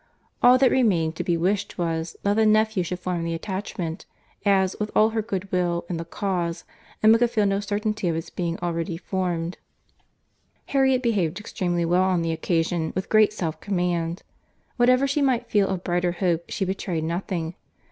All that remained to be wished was, that the nephew should form the attachment, as, with all her goodwill in the cause, Emma could feel no certainty of its being already formed. Harriet behaved extremely well on the occasion, with great self command. What ever she might feel of brighter hope, she betrayed nothing.